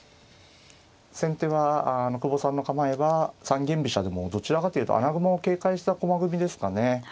先手は久保さんの構えは三間飛車でもどちらかというと穴熊を警戒した駒組みですかね。